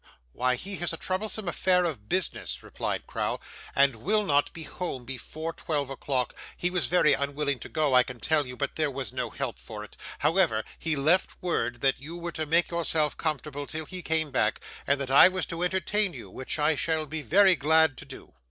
'Why, he has a troublesome affair of business,' replied Crowl, 'and will not be home before twelve o'clock. He was very unwilling to go, I can tell you, but there was no help for it. However, he left word that you were to make yourself comfortable till he came back, and that I was to entertain you, which I shall be very glad to do.